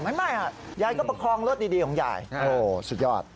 ไม่ยายก็ประคองรถดีของยายสุดยอด